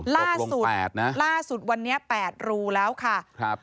ล่าสุดวันนี้๘รูแล้วค่ะครับ